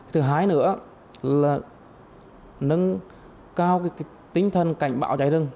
thứ hai nữa là nâng cao tinh thần cảnh báo cháy rừng